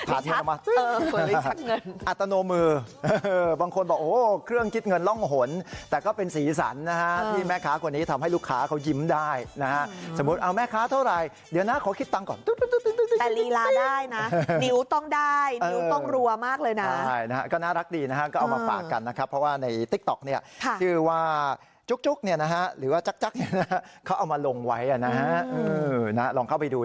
อัตโนมือบางคนบอกโอ้เครื่องคิดเงินล่องหนแต่ก็เป็นสีสันนะฮะที่แม่ค้าคนนี้ทำให้ลูกค้าเขายิ้มได้นะฮะสมมุติเอาแม่ค้าเท่าไหร่เดี๋ยวนะขอคิดตังค์ก่อนตุ๊กตุ๊กตุ๊กตุ๊กตุ๊กตุ๊กตุ๊กตุ๊กตุ๊กตุ๊กตุ๊กตุ๊กตุ๊กตุ๊กตุ๊กตุ๊กตุ๊กตุ๊กตุ๊กตุ๊กตุ๊กตุ๊กตุ๊กตุ๊กตุ๊ก